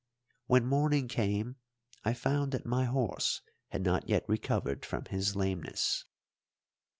When morning came I found that my horse had not yet recovered from his lameness.